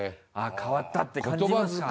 変わったって感じますか。